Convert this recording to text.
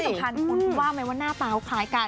สำคัญคุณว่าไหมว่าหน้าตาเขาคล้ายกัน